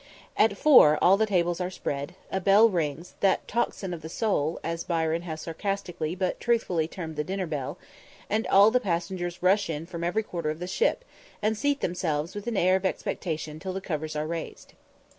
At four all the tables are spread; a bell rings that "tocsin of the soul," as Byron has sarcastically but truthfully termed the dinner bell; and all the passengers rush in from every quarter of the ship, and seat themselves with an air of expectation till the covers are raised.